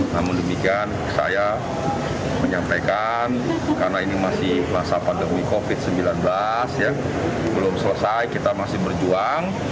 namun demikian saya menyampaikan karena ini masih masa pandemi covid sembilan belas belum selesai kita masih berjuang